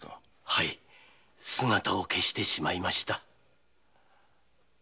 はい姿を消してしまいました。